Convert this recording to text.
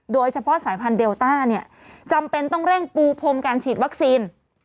โดยเฉพาะสายพันธุเดลต้าเนี่ยจำเป็นต้องเร่งปูพรมการฉีดวัคซีน